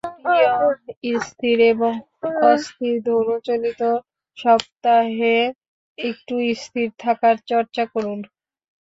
প্রিয় স্থির এবং অস্থির ধনু, চলতি সপ্তাহে একটু স্থির থাকার চর্চা করুন।